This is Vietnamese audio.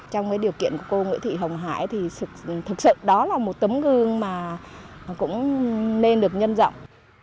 trong điều kiện của cô nguyễn thị hồng hải thì thực sự đó là một tấm gương mà cũng nên được nhân rộng